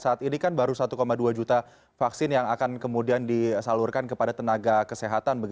saat ini kan baru satu dua juta vaksin yang akan kemudian disalurkan kepada tenaga kesehatan